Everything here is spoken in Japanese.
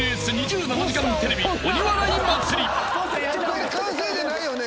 これ完成じゃないよね？